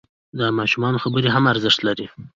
د ماشومانو خبرې هم ارزښت لري.